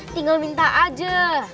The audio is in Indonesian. tinggal minta aja